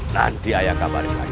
nanti ayah kabarin lagi